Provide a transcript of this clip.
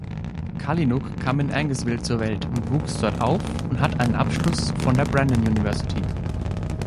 Kalynuk kam in Angusville zur Welt und wuchs dort auf und hat einen Abschluss von der Brandon University.